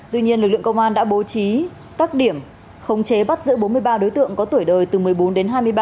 tuy nhiên lực lượng công an đã bố trí các điểm khống chế bắt giữ bốn mươi ba đối tượng có tuổi đời từ một mươi bốn đến hai mươi ba